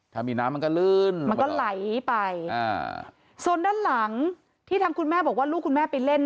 ถ้ามีน้ำมันก็ลืบ